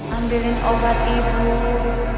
ambilin obat ibu